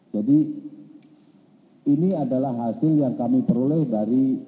jadi ini adalah hasil yang kami peroleh dari